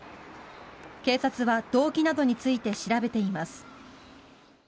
警察は、動機などについて調べています。